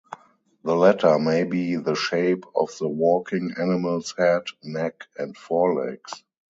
The letter may be the shape of the walking animal's head, neck, and forelegs.